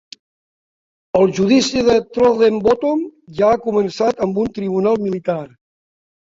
El "judici de Throttlebottom" ja ha començat amb un tribunal militar.